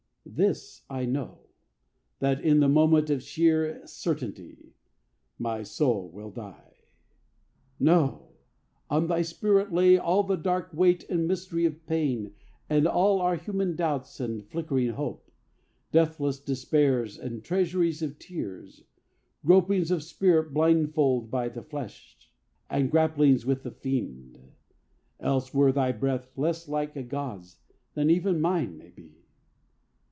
This I know That in the moment of sheer certainty My soul will die. "No! On thy spirit lay All the dark weight and mystery of pain And all our human doubt and flickering hope, Deathless despairs and treasuries of tears, Gropings of spirit blindfold by the flesh And grapplings with the fiend. Else were thy death Less like a God's than even mine may be.